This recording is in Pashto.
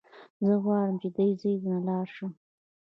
زه غواړم چې دې ځای ته لاړ شم.